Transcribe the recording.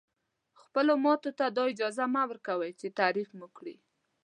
خپلو ماتو ته دا اجازه مه ورکوئ چې تعریف مو کړي.